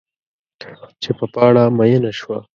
چې په پاڼه میینه شوه